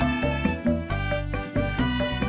ada di bawah hoane